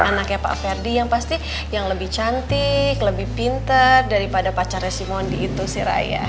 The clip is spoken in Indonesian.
anaknya pak fetty yang pasti yang lebih cantik lebih pinter daripada pacarnya si mondi itu si raya